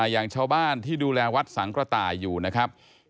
อย่างชาวบ้านที่ดูแลวัดสังกระต่ายอยู่นะครับ